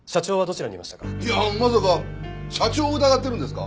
いやまさか社長を疑ってるんですか？